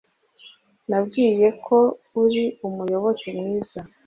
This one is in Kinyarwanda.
Nabwiye ko uri umuyoboke mwiza.